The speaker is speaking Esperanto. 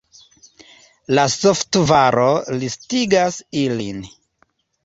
La softvaro listigas ilin.